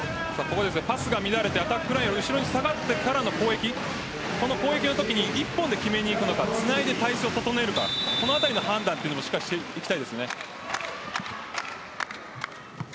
パスが乱れてアタックラインが後ろに下がってからの攻撃この攻撃のときに１本で決めにいくのかつないで体勢を整えるかの判断をしっかりしていきたいですね。